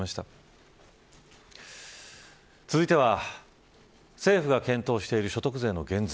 続いては政府が検討している所得税の減税。